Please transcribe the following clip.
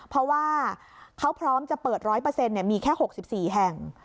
เพราะว่าเขาพร้อมจะเปิด๑๐๐มีแค่๖๔แห่ง